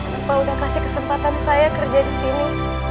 kenapa udah kasih kesempatan saya kerja di sini